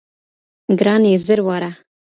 ګراني! زر واره